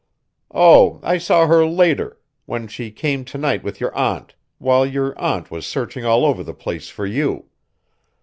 "Oh, I saw her later when she came to night with your aunt, while your aunt was searching all over the place for you.